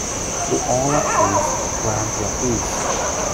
To all of these, grant your peace.